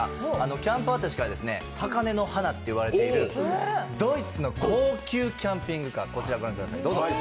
キャンパーたちから高根の花といわれているドイツの高級キャンピングカー、こちらを御覧ください。